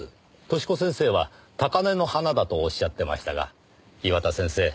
寿子先生は高嶺の花だと仰ってましたが岩田先生